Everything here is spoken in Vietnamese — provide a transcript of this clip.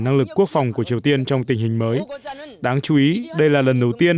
năng lực quốc phòng của triều tiên trong tình hình mới đáng chú ý đây là lần đầu tiên